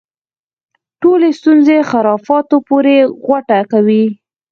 ټولې ستونزې خرافاتو پورې غوټه کوي.